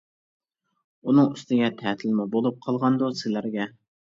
ئۇنىڭ ئۈستىگە تەتىلمۇ بولۇپ قالغاندۇ سىلەرگە.